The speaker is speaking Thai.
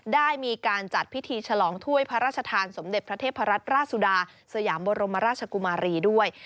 ได้มีการจัดพิธีฉลองถ้วยพระราชทานสมเด็จพระเทพรัตนราชสุดาสยามบรมราชกุมารีด้วย